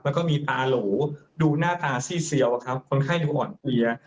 แล้วก็มีตาโหลดูหน้าตาซี่เซียวครับคนไข้ดูอ่อนเพลีย